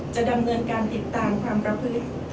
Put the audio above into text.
จะดำเนินการติดตามความประพฤติ